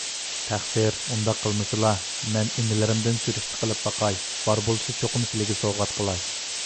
تەقسىر، ئۇنداق قىلمىسىلا! مەن ئىنىلىرىمدىن سۈرۈشتە قىلىپ باقاي، بار بولسا چوقۇم سىلىگە سوۋغات قىلاي